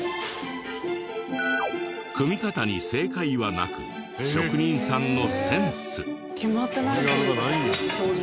組み方に正解はなく職人さんのセンス。